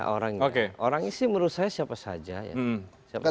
orangnya sih menurut saya siapa saja ya